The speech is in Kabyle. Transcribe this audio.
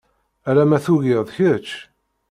Ala ma tugiḍ kečč.